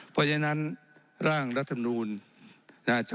เพราะฉะนั้นร่างรัฐมนูล